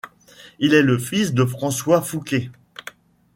Il est le fils de François Fouquet.